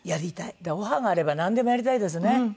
オファーがあればなんでもやりたいですね。